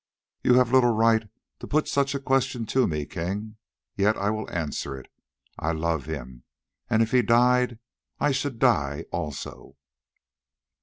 "You have little right to put such a question to me, King, yet I will answer it. I love him, and if he died I should die also."